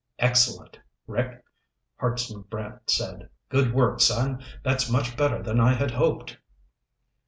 "Excellent, Rick," Hartson Brant said. "Good work, son! That's much better than I had hoped."